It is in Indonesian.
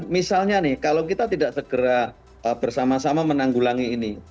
misalnya nih kalau kita tidak segera bersama sama menanggulangi ini